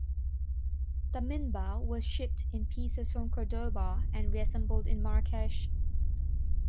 The minbar was shipped in pieces from Cordoba and reassembled in Marrakesh.